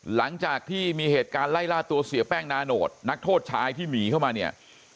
หลังจากที่มีเหตุการณ์ไล่ล่าตัวเสียแป้งนาโนตนักโทษชายที่หนีเข้ามาเนี่ย